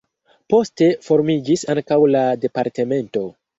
Poste formiĝis ankaŭ la departemento.